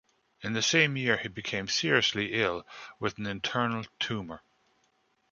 In the same year he became seriously ill with an internal tumour.